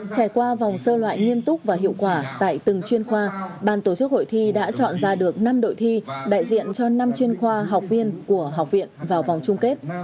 trải qua vòng sơ loại nghiêm túc và hiệu quả tại từng chuyên khoa ban tổ chức hội thi đã chọn ra được năm đội thi đại diện cho năm chuyên khoa học viên của học viện vào vòng chung kết